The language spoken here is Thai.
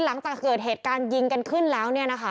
หลังจากเกิดเหตุการณ์ยิงกันขึ้นแล้ว